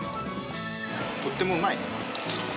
とってもうまい。